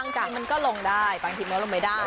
คือบางทีมันก็ลงได้บางทีมันลงไม่ได้